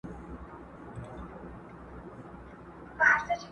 ډېر قوي دی.